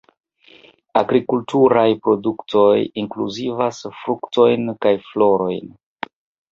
Agrikulturaj produktoj inkluzivas fruktojn kaj florojn.